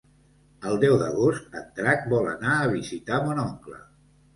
El deu d'agost en Drac vol anar a visitar mon oncle.